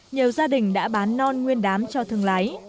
nhiều gia đình đã bán non nguyên đám cho thương lái